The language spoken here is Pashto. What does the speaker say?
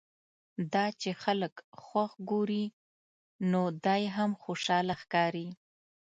دا چې خلک خوښ ګوري نو دی هم خوشاله ښکاري.